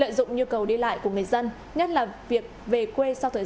lợi dụng nhu cầu đi lại của người dân nhất là việc về quê sau thời